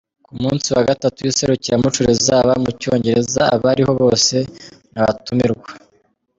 Ku munsi wa gatatu w’iserukiramuco rizaba mu Cyongereza abariho bose ni abatumirwa.